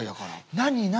何？